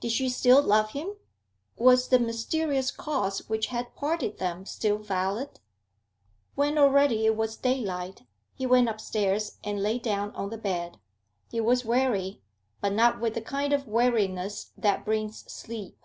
Did she still love him? Was the mysterious cause which had parted them still valid? When already it was daylight, he went upstairs and lay down on the bed; he was weary, but not with the kind of weariness that brings sleep.